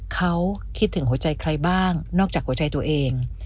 เขาคิดถึงหัวใจใครบ้างนอกจากหัวใจตัวเอง